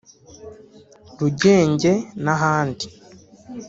Rugenge n’ahandi